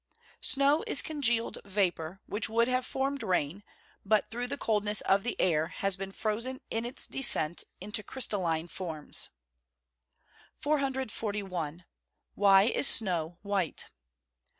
_ Snow is congealed vapour, which would have formed rain; but, through the coldness of the air, has been frozen in its descent into crystalline forms. (Fig. 1.) 441. _Why is snow white?